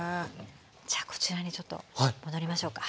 じゃあこちらにちょっと戻りましょうか。